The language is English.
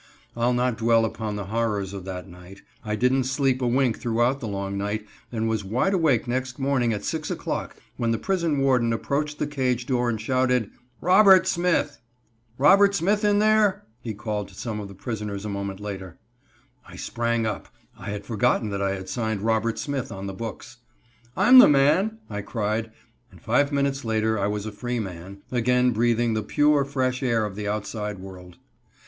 I'll not dwell upon the horrors of that night. I didn't sleep a wink throughout the long night, and was wideawake next morning at six o'clock when the prison warden approached the cage door and shouted: "Robert Smith" [Illustration: "Robert Smith is Robert Smith in there?" shouted the prison warden.] "Robert Smith in there?" he called to some of the prisoners a moment later. I sprang up. I had forgotten that I had signed Robert Smith on the books. "I'm the man!" I cried, and five minutes later I was a free man, again breathing the pure, fresh air of the outside world.